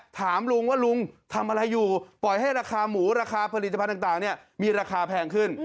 ถามลุงว่าลุงทำอะไรอยู่ปล่อยให้ราคาหมูราคาผลิตภัณฑ์ต่างมีราคาแพงขึ้น